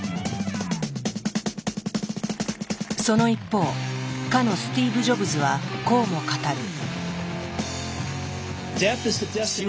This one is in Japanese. その一方かのスティーブ・ジョブズはこうも語る。